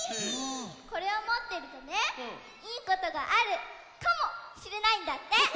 これをもってるとねいいことがあるかもしれないんだって！